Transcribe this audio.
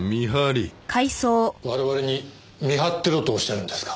我々に見張ってろとおっしゃるんですか？